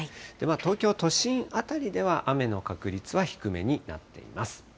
東京都心辺りでは雨の確率は低めになっています。